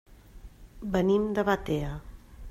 Venim de Batea.